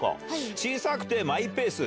小さくてマイペース。